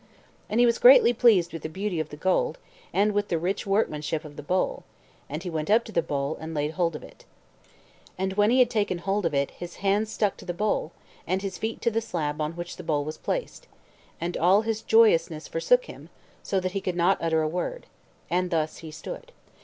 And he was greatly pleased with the beauty of the gold, and with the rich workmanship of the bowl; and he went up to the bowl, and laid hold of it. And when he had taken hold of its his hands stuck to the bowl, and his feet to the slab on which the bowl was placed; and all his joyousness forsook him, so that he could not utter a word. And thus he stood.